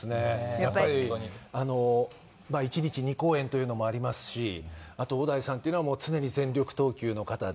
やっぱり１日２公演というのもありますしあと小田井さんっていうのはもう常に全力投球の方で。